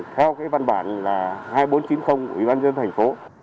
theo văn bản hai nghìn bốn trăm chín mươi ubnd tp